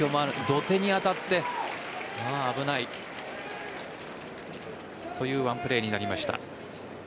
土手に当たって危ないというワンプレーになりました。